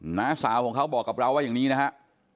น้าสาวของเขาบอกกับเราว่าอย่างนี้นะฮะ